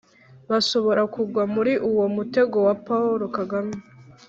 bashobora kugwa muri uwo mutego wa paul kagame.